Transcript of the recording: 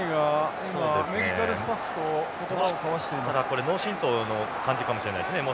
これ脳震とうの感じかもしれないですね